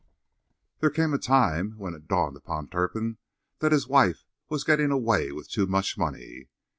There came a time when it dawned upon Turpin that his wife was getting away with too much money.